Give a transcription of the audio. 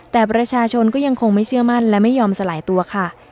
แต่ประชาชนก็ยังคงไม่เชื่อมั่นและไม่ยอมสลายตัวค่ะ